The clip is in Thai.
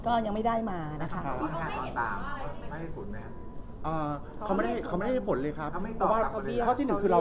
ก็ยังไม่ได้มานะคะ